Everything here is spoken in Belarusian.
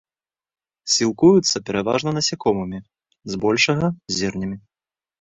Сілкуюцца пераважна насякомымі, збольшага зернямі.